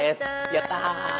やった！